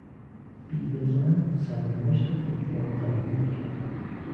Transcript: بیوهزن سرنوشت خود را قبول کرد.